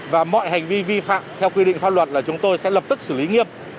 và mọi hành vi vi phạm theo quy định pháp luật là chúng tôi sẽ lập tức xử lý nghiêm